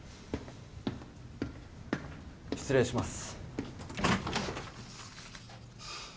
失礼します。